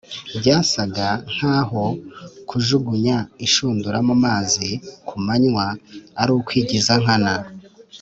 byasaga nkaho kujugunya inshundura mu mazi ku manywa ari ukwigiza nkana;